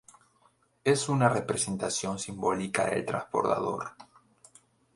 Es una representación simbólica del transbordador.